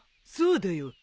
そうだよ。